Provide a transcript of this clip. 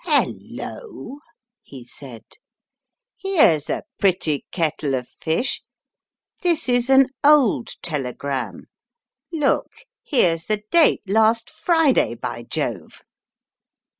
"Hello," he said, "here's a pretty kettle of fish. This is an old telegram; look, here's the date, last Friday, by Jove!"